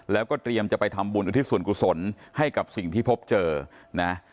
แล้วก็เตรียมจะไปทำบุญอุทิศส่วนกุศลให้กับสิ่งที่พบเจอนะ